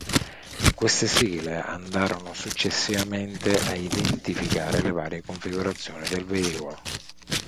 Queste sigle andarono successivamente a identificare le varie configurazioni del velivolo.